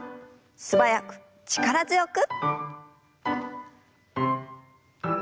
素早く力強く。